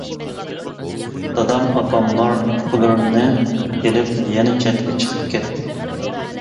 دادام ئاپاملار ئۇكىلىرىمنى ئېلىپ يەنە چەتكە چىقىپ كەتتى.